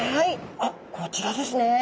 あこちらですね。